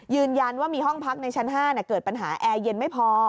ยืนยันว่ามีห้องพักในชั้น๕เกิดปัญหาแอร์เย็นไม่พอ